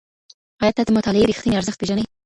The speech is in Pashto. ایا ته د مطالعې ریښتینی ارزښت پېژنې؟